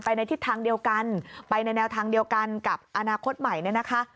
ในทิศทางเดียวกันไปในแนวทางเดียวกันกับอนาคตใหม่เนี่ยนะคะ